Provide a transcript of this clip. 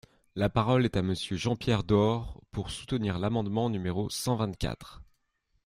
La parole est à Monsieur Jean-Pierre Door, pour soutenir l’amendement numéro cent vingt-quatre.